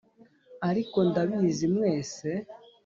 ariko ndabizi mwese.